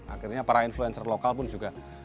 akhirnya para influencer lokal pun juga